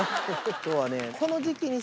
今日はね。